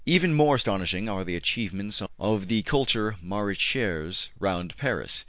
Even more astonishing are the achievements of the Culture Maraicheres round Paris.